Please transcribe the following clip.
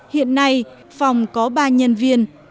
hiện nay phòng có ba nhân viên